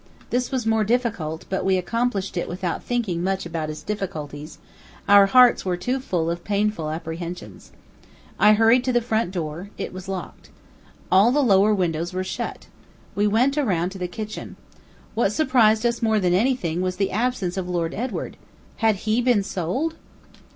This was more difficult, but we accomplished it without thinking much about its difficulties; our hearts were too full of painful apprehensions. I hurried to the front door; it was locked. All the lower windows were shut. We went around to the kitchen. What surprised us more than anything else was the absence of Lord Edward. Had HE been sold?